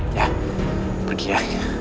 ya pergi aja